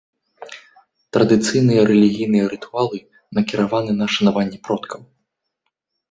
Традыцыйныя рэлігійныя рытуалы накіраваны на шанаванне продкаў.